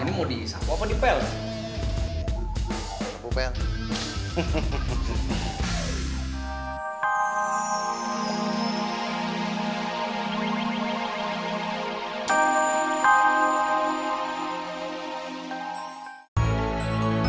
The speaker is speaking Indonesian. ini mau disambu apa dipel